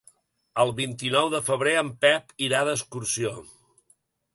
El vint-i-nou de febrer en Pep irà d'excursió.